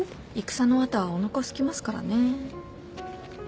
戦の後はおなかすきますからね。